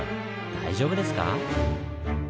大丈夫ですか？